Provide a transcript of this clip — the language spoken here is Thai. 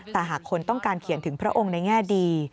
แต่หากคนต้องการเขียนถึงพระองค์ในแง่ดี